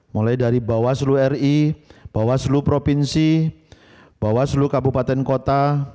mulai dari bawaslu ri bawaslu provinsi bawaslu kabupaten kota